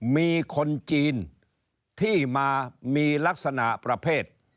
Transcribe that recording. มีคนจีนที่มามีลักษณะประเภท